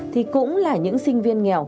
thì cũng là những sinh viên nghèo